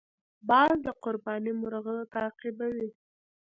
باز د قرباني مرغه تعقیبوي